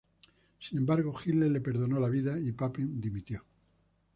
Sin embargo, Hitler le perdonó la vida y Papen dimitió.